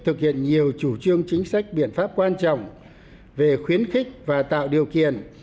thực hiện nhiều chủ trương chính sách biện pháp quan trọng về khuyến khích và tạo điều kiện